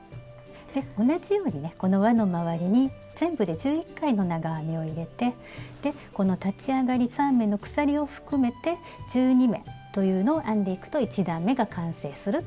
で同じようにねこのわのまわりに全部で１１回の長編みを入れてこの立ち上がり３目の鎖を含めて１２目というのを編んでいくと１段めが完成するという感じです。